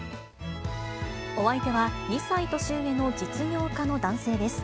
お相手は、２歳年上の実業家の男性です。